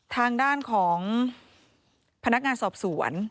ทางด้านของพนักงานสอบสวน